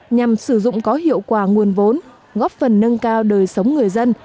nhằm sử dụng có hiệu quả nguồn vốn góp phần nâng cao đời sống người dân